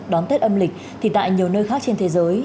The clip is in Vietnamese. đón tết âm lịch thì tại nhiều nơi khác trên thế giới